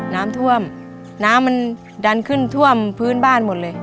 น้ำท่วมน้ำมันดันขึ้นท่วมพื้นบ้านหมดเลย